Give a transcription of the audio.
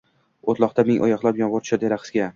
O‘tloqda ming oyoqlab, yomg‘ir tushadi raqsga.